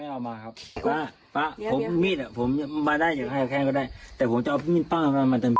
เอออันนี้เองพูดเองนะนี่เองพูดเองนะผมจะเอามาทำไมป้าไม่ได้ว่านะ